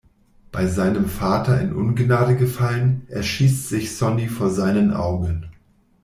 Bei seinem Vater in Ungnade gefallen, erschießt sich Sonny vor seinen Augen.